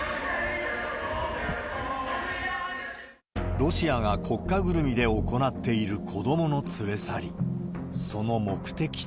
ロシアが国家ぐるみで行っている子どもの連れ去り。